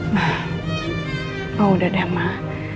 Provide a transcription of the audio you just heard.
mama sudah senang